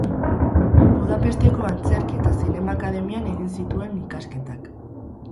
Budapesteko Antzerki eta Zinema Akademian egin zituen ikasketak.